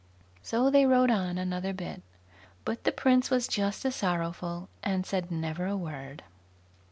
So they rode on another bit, but the Prince was just as sorrowful, and said never a word.